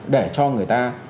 để cho người ta